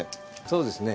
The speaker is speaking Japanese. そうですね。